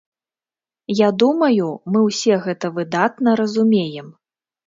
Я думаю, мы ўсе гэта выдатна разумеем.